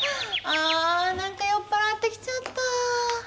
あ何か酔っ払ってきちゃった。